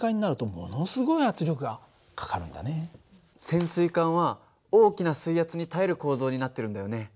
潜水艦は大きな水圧に耐える構造になってるんだよね。